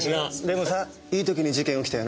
でもさいい時に事件起きたよな。